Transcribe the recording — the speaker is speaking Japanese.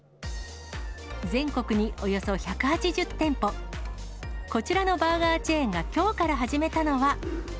全国におよそ１８０店舗、こちらのバーガーチェーンがきょうから始めたのは。